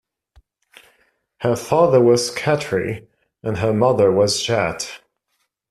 Her father was Khatri, and her mother was Jatt.